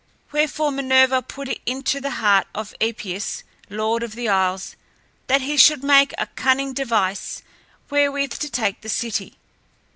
Wherefore Minerva put it into the heart of Epeius, Lord of the Isles, that he should make a cunning device wherewith to take the city.